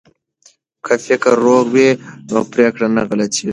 که فکر روغ وي نو پریکړه نه غلطیږي.